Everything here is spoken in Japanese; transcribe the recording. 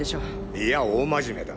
いや大真面目だ。